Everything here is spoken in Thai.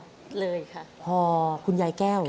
ทำงานชื่อนางหยาดฝนภูมิสุขอายุ๕๔ปี